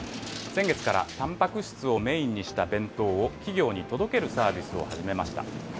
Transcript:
先月からたんぱく質をメインにした弁当を企業に届けるサービスを始めました。